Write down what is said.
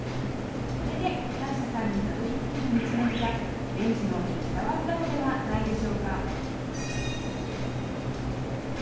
これではいしゃさんにたどりつける道のりが伝じろうに伝わったのではないでしょうか？